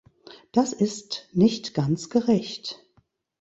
Das ist nicht ganz gerecht.